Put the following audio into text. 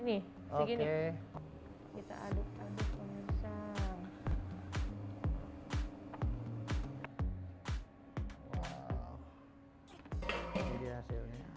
ini begini kita aduk aduk